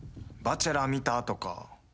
「『バチェラー』見た？」とか。